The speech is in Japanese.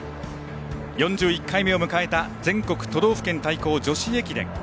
４１回目を迎えた全国都道府県対抗女子駅伝。